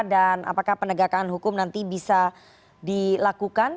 dan apakah penegakan hukum nanti bisa dilakukan